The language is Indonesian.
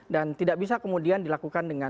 tidak bisa kemudian dilakukan dengan